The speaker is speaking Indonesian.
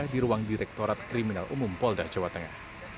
di ruang direktorat kriminal umum polda jawa tengah